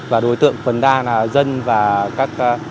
và đối tượng phần đa là dân và các